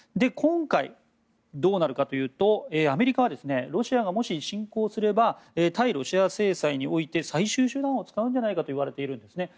今回、どうなるかというとアメリカはロシアがもし侵攻すれば対ロシア制裁において最終手段を使うんじゃないかといわれているんです。